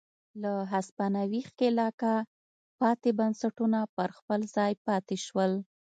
له هسپانوي ښکېلاکه پاتې بنسټونه پر خپل ځای پاتې شول.